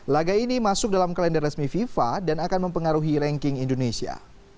laga ini masuk dalam kalender resmi fifa dan akan mempengaruhi ranking indonesia